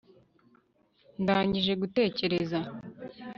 ndangije gutekereza